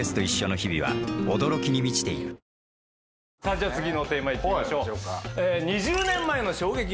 じゃあ次のテーマ行ってみましょう。